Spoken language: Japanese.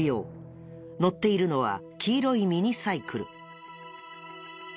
乗っているのは黄色いミニサイクル。